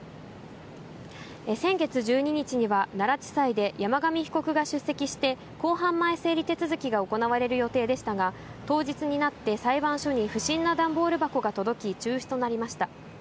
先月１２日には、奈良地裁で山上被告が出席して公判前整理手続きが行われる予定でしたが、当日になって裁判所に不審な段ボール箱が届き、中止となりました。